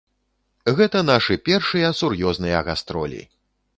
Гэта нашы першыя сур'ёзныя гастролі!